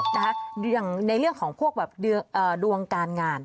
อย่างในเรื่องของพวกแบบดวงการงาน